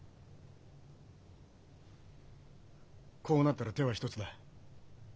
こうなったら手は一つだ。